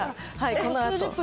このあと。